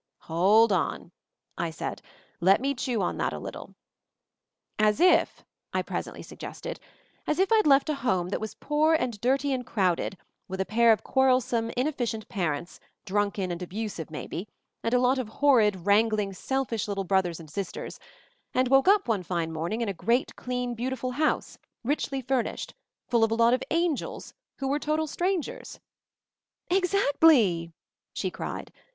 "Hold on," I said, "Let me chew on that a little." "As if," I presently suggested, "as if I'd left a home that was poor and dirty and crowded, with a pair of quarrelsome ineffi cient parents drunken and abusive, maybe, and a lot of horrid, wrangling, selfish, little brothers and sisters — and woke up one fine morning in a great clean beautiful house — richly furnished — full of a lot of angels — who were total strangers ?" "Exactly!" she cried.